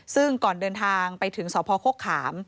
ซึ่งก่อนเดินทางไปถึงสพโฆขาม